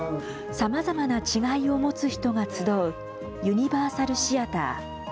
さまざまな違いを持つ人が集うユニバーサルシアター。